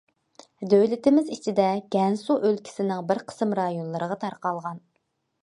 دۆلىتىمىز ئىچىدە گەنسۇ ئۆلكىسىنىڭ بىر قىسىم رايونلىرىغا تارقالغان.